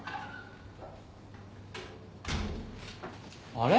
・あれ？